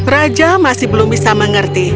raja masih belum bisa mengerti